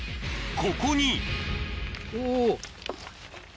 ここにお。